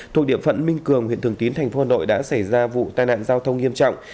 thuộc địa phận minh cường huyện thường tín thành phố hà nội đã xảy ra vụ tai nạn giao thông nghiêm trọng